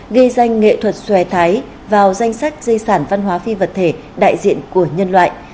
ghi danh nghệ thuật xòe thái vào danh sách di sản văn hóa phi vật thể đại diện của nhân loại